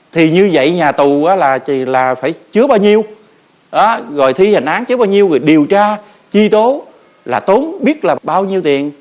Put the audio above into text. thì như vậy nhà tù là phải chứa bao nhiêu rồi thi hành án chứ bao nhiêu rồi điều tra chi tố là tốn biết là bao nhiêu tiền